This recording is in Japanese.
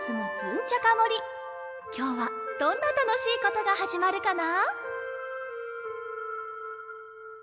きょうはどんなたのしいことがはじまるかな？